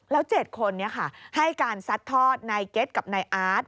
แล้ว๗คนให้การซัดทอดนายเก็ตกับนายอาร์ต